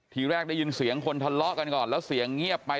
ทีแรกได้ยินเสียงคนทะเลาะกันก่อนแล้วเสียงเงียบไป